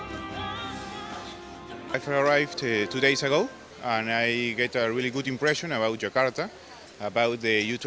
saya telah tiba dua hari lalu dan saya mendapatkan impresi yang sangat baik tentang jakarta tentang pembukaan u dua puluh